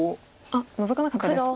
あっノゾかなかったです。